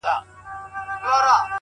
خائن، خائف وي.